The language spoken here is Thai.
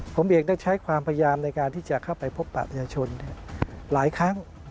ผมเองได้ใช้ความพยายามในการที่จะเข้าไปพบปะประชาชนหลายครั้ง